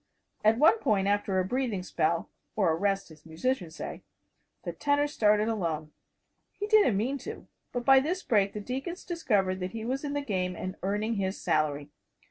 At one point, after a breathing spell or a rest, as musicians say the tenor started alone. He didn't mean to. But by this break the deacons discovered that he was in the game and earning his salary.